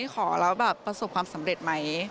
ขอเราประสบความสำเร็จไหม